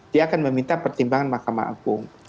dia akan meminta pertimbangan mahkamah agung